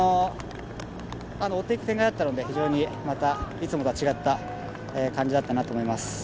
追っていく展開だったので、いつもとは違った展開だったと思います。